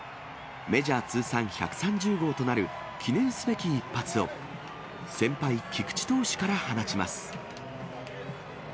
メジャー通算１３０号となる、記念すべき一発を、先輩、菊池投手から放ちます。